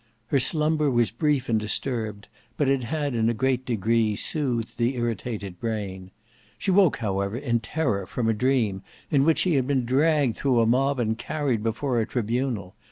Her slumber was brief and disturbed, but it had in a great degree soothed the irritated brain. She woke however in terror from a dream in which she had been dragged through a mob and carried before a tribunal.